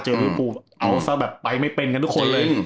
วิวปูเอาซะแบบไปไม่เป็นกันทุกคนเลย